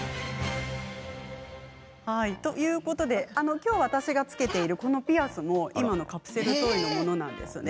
きょう私が着けているこのピアスも今のカプセルトイのものなんです。